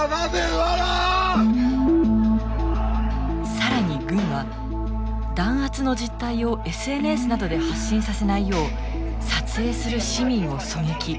更に軍は弾圧の実態をＳＮＳなどで発信させないよう撮影する市民を狙撃。